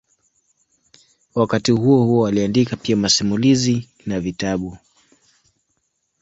Wakati huohuo aliandika pia masimulizi na vitabu.